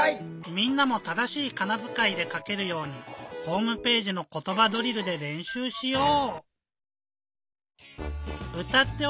みんなも正しいかなづかいでかけるようにホームページの「ことばドリル」でれんしゅうしよう！